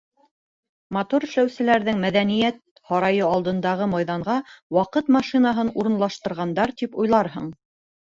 Мотор эшләүселәрҙең мәҙәниәт һарайы алдындағы майҙанға ваҡыт машинаһын урынлаштырғандар тип уйларһың.